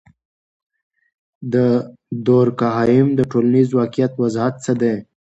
د دورکهايم د ټولنیز واقعیت وضاحت څه دی؟